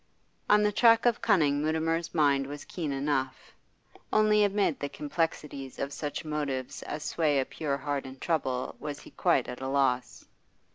On the track of cunning Mutimer's mind was keen enough; only amid the complexities of such motives as sway a pure heart in trouble was he quite at a loss.